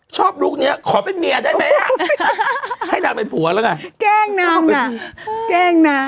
ชอบลูกเนี้ยขอเป็นเมียได้ไหมให้นางเป็นผัวแล้วไงแก้งนางน่ะ